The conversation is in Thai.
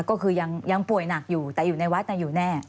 ก็คือยังป่วยหนักอยู่แต่อยู่ในวัดอยู่แน่